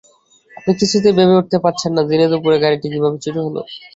আপনি কিছুতেই ভেবে উঠতে পারছেন না দিনেদুপুরে গাড়িটি কীভাবে চুরি হলো।